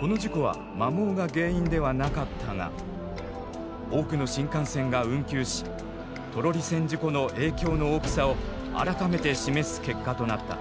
この事故は摩耗が原因ではなかったが多くの新幹線が運休しトロリ線事故の影響の大きさを改めて示す結果となった。